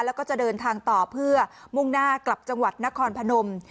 แล้วก็จะเดินทางต่อเพื่อมุ่งหน้ากลับจังหวัดนครพนม